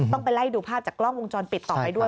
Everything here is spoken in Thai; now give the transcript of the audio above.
ต้องไปไล่ดูภาพจากกล้องวงจรปิดต่อไปด้วย